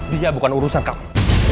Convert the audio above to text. dia bukan urusan kamu